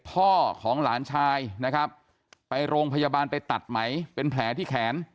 พ่อของหลานชายนะครับไปโรงพยาบาลไปตัดไหมเป็นแผลที่แขน